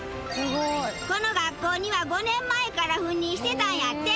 この学校には５年前から赴任してたんやって。